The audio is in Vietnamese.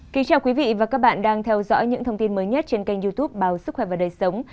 kính chào quý vị và các bạn đang theo dõi những thông tin mới nhất trên kênh youtube báo sức khỏe và đời sống